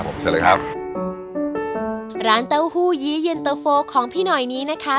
ผมเชิญเลยครับร้านเต้าหู้ยี้เย็นตะโฟของพี่หน่อยนี้นะคะ